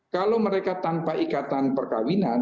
kalau mereka tanpa ikatan perkawinan